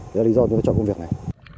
đó là lý do chúng tôi cho công việc này